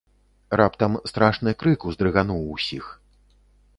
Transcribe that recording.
Раптам страшны крык уздрыгануў усіх.